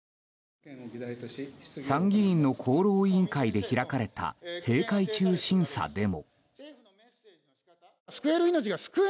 参議院の厚労委員会で開かれた閉会中審査でも。